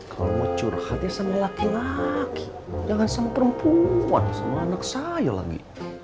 kalau mau curhatnya sama laki laki jangan sang perempuan sama anak saya lagi